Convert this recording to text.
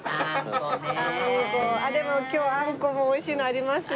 でも今日あんこも美味しいのありますよ。